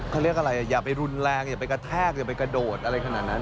เขาเรียกอะไรอย่าไปรุนแรงอย่าไปกระแทกอย่าไปกระโดดอะไรขนาดนั้น